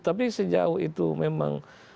tapi sejauh itu memang